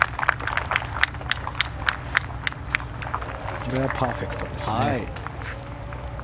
これはパーフェクトですね。